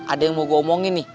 ada yang mau gua omongin nih